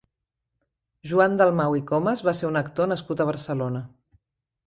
Joan Dalmau i Comas va ser un actor nascut a Barcelona.